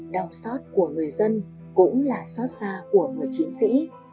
đồng sót của người dân cũng là sót xa của người chiến sĩ